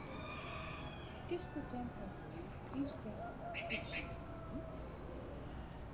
Kinst de temperatuer ynstelle op fyftjin graden?